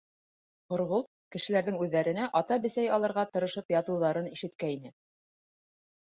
Һорғолт кешеләрҙең үҙҙәренә ата бесәй алырға тырышып ятыуҙарын ишеткәйне.